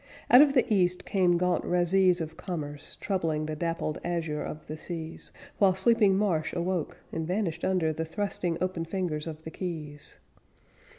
Out of the East came gaunt razees of commerce Troubling the dappled azure of the seas; While sleeping marsh awoke, and vanished under The thrusting open fingers of the quays.